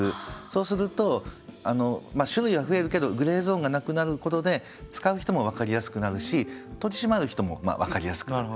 そうすると種類は増えるけどグレーゾーンがなくなることで使う人も分かりやすくなるし取り締まる人も分かりやすくなる。